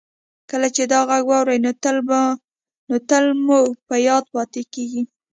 کله چې دا غږ واورئ نو تل مو په یاد پاتې کیږي